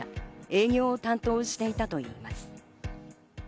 営業を担当していたといいます。